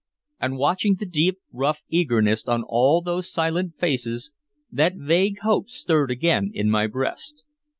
And watching the deep rough eagerness on all those silent faces, that vague hope stirred again in my breast.